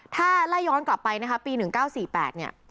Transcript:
ถ้าไล่ย้อนกลับไปนะคะปี๑๙๔๘เนี่ย